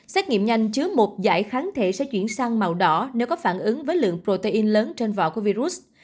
xét nghiệm nhanh chứa một giải kháng thể sẽ chuyển sang màu đỏ nếu có phản ứng với lượng protein lớn trên vỏ của virus